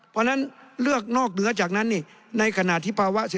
เพราะฉะนั้นเลือกนอกเหนือจากนั้นในขณะที่ภาวะ